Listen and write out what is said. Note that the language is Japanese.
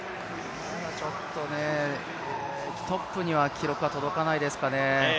ちょっとトップには記録は届かないですかね。